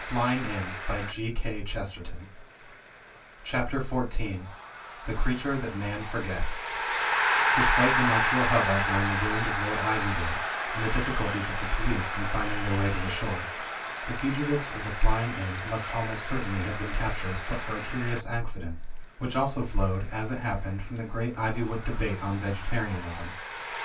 uiymzeu uy ' ^jv^'^^^iC CHAPTER XIV THE CREATURE THAT MAN FORGETS Despite the natural hubbub round the wound of Lord Iv3rwood and the difficulties of the police in finding their way to the shore, the fugitives of the Flying Inn must almost certainly have been captured but for a curious accident, which also flowed, as it happened, from the great Iv)rwood debate on Vegetarianism.